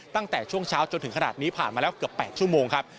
ตั้งแต่ช่วงเช้าจนถึงขนาดนี้ผ่านมาแล้วเกือบ๘ชั่วโมงครับ